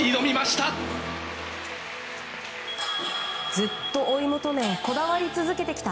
ずっと追い求めこだわり続けてきた